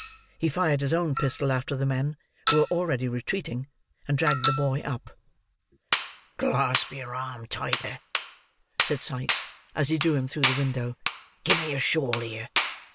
He fired his own pistol after the men, who were already retreating; and dragged the boy up. "Clasp your arm tighter," said Sikes, as he drew him through the window. "Give me a shawl here.